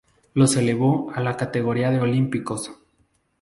Los elevó a la categoría de olímpicos.